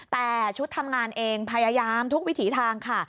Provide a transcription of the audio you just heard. แต่ชุดทำงานเองพยายามทุกวิถีทางค่ะ